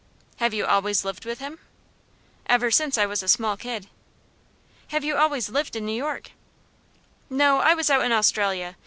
"Have you always lived with him?" "Ever since I was a small kid." "Have you always lived in New York?" "No; I was out in Australia.